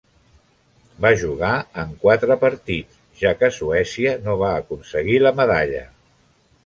Va jugar en quatre partits ja que Suècia no va aconseguir la medalla.